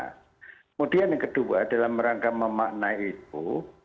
kemudian yang kedua adalah merangkama makna itu